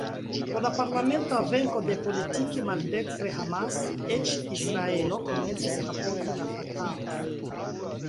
Pro la parlamenta venko de politike maldekstre Hamas, eĉ Israelo komencis apogi la Fatah-on.